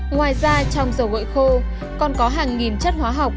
ngoài ra trong dầu gội khô còn có hàng nghìn chất hóa học